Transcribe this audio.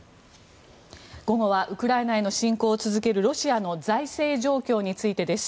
午後はウクライナへの侵攻を続けるロシアの財政状況についてです。